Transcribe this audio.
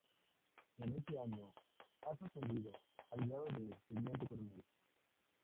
En ese año es ascendido al grado de Teniente Coronel.